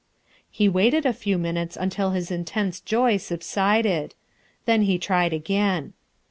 He waited a few minutes until his intense joy subsided. Then he tried again.